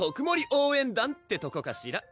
応援団ってとこかしら？